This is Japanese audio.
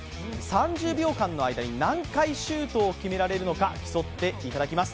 ３０秒間の間に何回シュートを決められるのか競っていただきます。